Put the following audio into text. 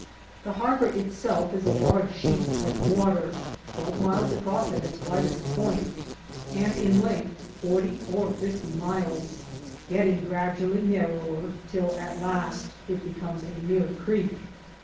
The harbor itself is a large sheet of water, twelve miles across at its widest point, and in length forty or fifty miles, getting gradually narrower till at last it becomes a mere creek.